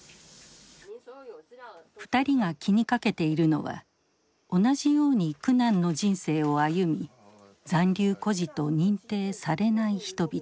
２人が気にかけているのは同じように苦難の人生を歩み残留孤児と認定されない人々。